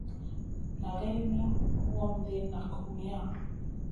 Nʼagai mey wondi nak humiya?